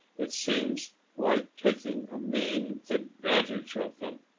It seems like taking a mean advantage of them."